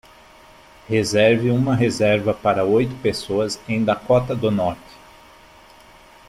Reserve uma reserva para oito pessoas em Dakota do Norte